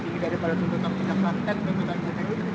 kita konten penuntut anggota jpu itu gimana